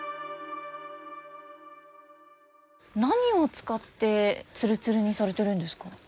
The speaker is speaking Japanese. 何を使ってツルツルにされてるんですか。